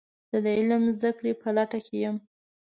زه د علم د زده کړې په لټه کې یم.